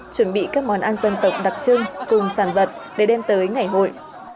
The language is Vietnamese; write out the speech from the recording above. chuẩn bị các món ăn dân tộc đặc trưng cùng sản vật để đem tới ngày hội